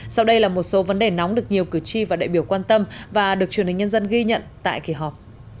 sau đây là một số vấn đề nóng được nhiều cử tri và đại biểu quan tâm và được truyền hình nhân dân ghi nhận tại kỳ họp